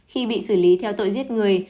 khi bị xử lý theo tội giết người